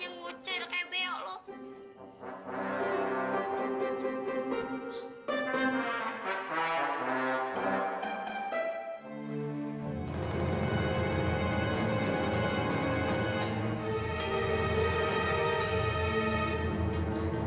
what do you speaking barusan